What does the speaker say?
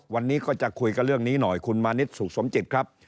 วันนี้ก็จะคุยกับเรื่องนี้หน่อยคุณมานิดสุขสมจิตครับ